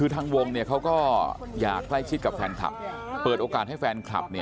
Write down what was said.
ทางวงเขาก็อยากใกล้ชิดกับแฟนคลับ